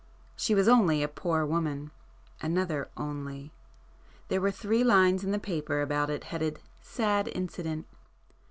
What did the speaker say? She was only a poor woman,—another 'only.' There were three lines in the paper about it headed 'Sad Incident.